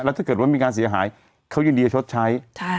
ถ้าเกิดว่ามีการเสียหายเขายินดีจะชดใช้